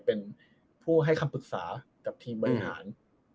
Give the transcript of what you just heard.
เป็นผู้ให้คำปรึกษากับทีมบริหาร